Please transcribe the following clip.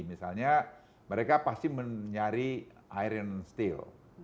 misalnya mereka pasti mencari iron steel